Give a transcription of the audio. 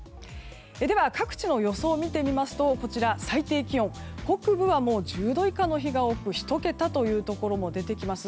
では各地の予想を見てみますと最低気温北部は１０度以下の日が多く１桁という日も出てきます。